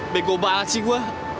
bego banget sih gue